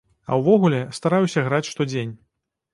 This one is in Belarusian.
А ўвогуле, стараюся граць штодзень.